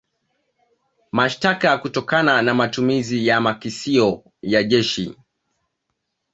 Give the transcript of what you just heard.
Mashtaka kutokana na matumizi ya makisio ya jeshi